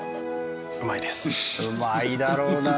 うまいだろうなあ！